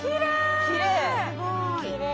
きれい。